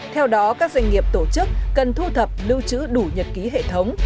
theo đó các doanh nghiệp tổ chức cần thu thập lưu trữ đủ nhật ký hệ thống